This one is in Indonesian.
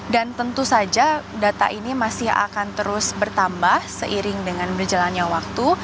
dan tentu saja data ini masih akan terus bertambah seiring dengan berjalannya waktu